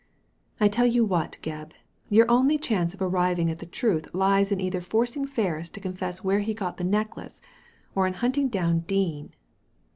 I tell you what, Gebb, your only chance of arriving at the truth lies in either forcing Ferris to confess where he got the necklace, or in hunting down Dean."